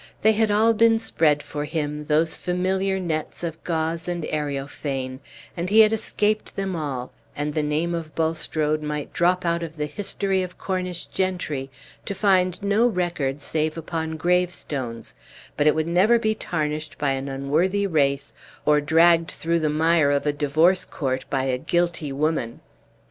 They had all been spread for him, those familiar nets of gauze and areophane, and he had escaped them all; and the name of Bulstrode might drop out of the history of Cornish gentry to find no record save upon gravestones, but it would never be tarnished by an unworthy race, or dragged through the mire of a divorce court by a guilty woman.